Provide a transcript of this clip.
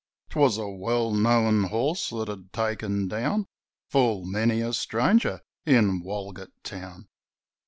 'Twas a well known horse that had taken down Full many a stranger in Walgett Town.